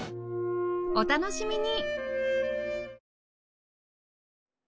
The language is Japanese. お楽しみに！